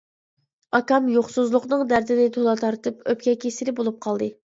ئاكام يوقسۇزلۇقنىڭ دەردىنى تولا تارتىپ ئۆپكە كېسىلى بولۇپ قالدى.